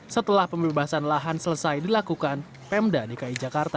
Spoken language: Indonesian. setelah pembebasan lahan selesai dilakukan pemda dki jakarta